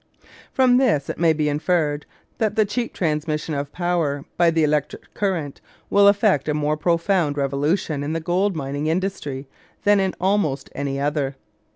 From this it may be inferred that the cheap transmission of power by the electric current will effect a more profound revolution in the gold mining industry than in almost any other.